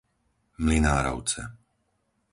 Mlynárovce